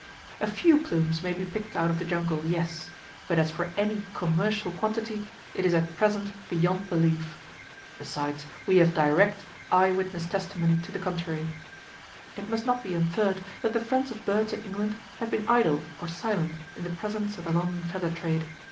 A few plumes may be picked out of the jungle, yes; but as for any commercial quantity, it is at present beyond belief. Besides, we have direct, eye witness testimony to the contrary. [Page 127] It must not be inferred that the friends of birds in England have been idle or silent in the presence of the London feather trade.